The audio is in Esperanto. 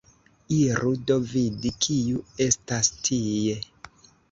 Iru do vidi, kiu estas tie.